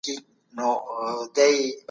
مطالعه لرونکي خلګ ټولنيز وي.